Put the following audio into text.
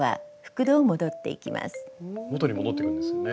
元に戻っていくんですよね。